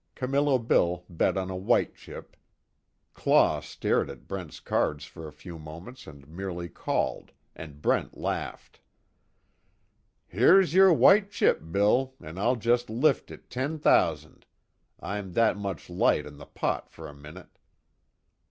Camillo Bill bet a white chip, Claw stared at Brent's cards for a few moments and merely called, and Brent laughed: "Here's your white chip, Bill, and I'll just lift it ten thousand I'm that much light in the pot for a minute."